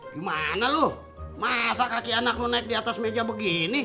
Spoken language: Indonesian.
gimana lo masa kaki anak lo naik di atas meja begini